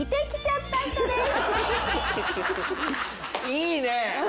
いいね！